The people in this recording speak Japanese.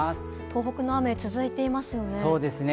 東北の雨、続いていますね。